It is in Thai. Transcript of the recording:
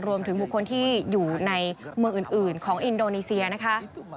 รวมถึงบุคคลที่อยู่ในเมืองอื่นของอินโดนีเซียนะคะ